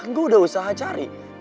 gue udah usaha cari